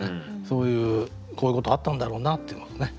そういうこういうことあったんだろうなっていうのがね